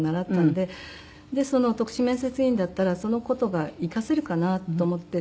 で篤志面接委員だったらその事が生かせるかなと思って。